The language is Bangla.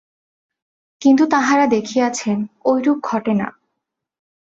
কিন্তু তাঁহারা দেখিয়াছেন, ঐরূপ ঘটে না।